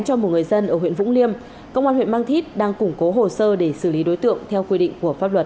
công an huyện mang thít đang củng cố hồ sơ để xử lý đối tượng theo quy định của pháp luật